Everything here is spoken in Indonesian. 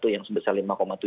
yang sebesar lagi